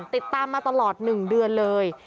ติดตามมาตลอด๑เดือนเลย